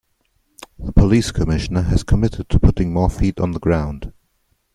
The police commissioner has committed to putting more feet on the ground.